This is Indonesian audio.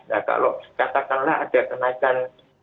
nah kalau katakanlah ada kenaikan